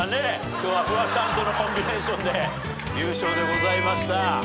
今日はフワちゃんとのコンビネーションで優勝でございました。